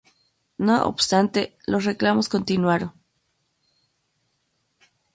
No obstante, los reclamos continuaron.